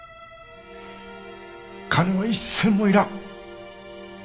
金は一銭もいらん。